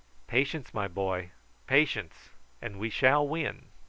Patience, my boy, patience and we shall win."